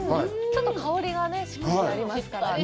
ちょっと香りがね、しっかりありますからね。